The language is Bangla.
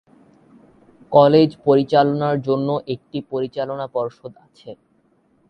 কলেজ পরিচালনার জন্যে একটি পরিচালনা পর্ষদ আছে।